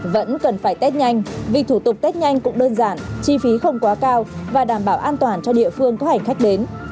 vẫn cần phải test nhanh vì thủ tục test nhanh cũng đơn giản chi phí không quá cao và đảm bảo an toàn cho địa phương có hành khách